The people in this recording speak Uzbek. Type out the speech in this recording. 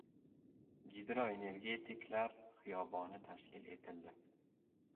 Gidroenergetiklar xiyoboni tashkil etildi